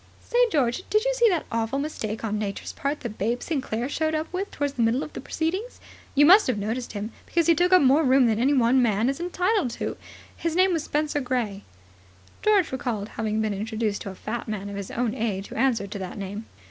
Say, George, did you see the awful mistake on Nature's part that Babe Sinclair showed up with towards the middle of the proceedings? You must have noticed him, because he took up more room than any one man was entitled to. His name was Spenser Gray." George recalled having been introduced to a fat man of his own age who answered to that name.